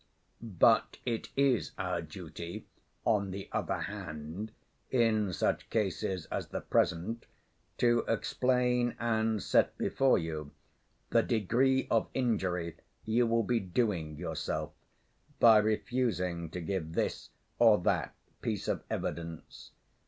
But it is our duty, on the other hand, in such cases as the present, to explain and set before you the degree of injury you will be doing yourself by refusing to give this or that piece of evidence.